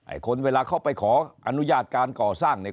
คนเวลาเขาไปขออนุญาตการก่อสร้างเนี่ย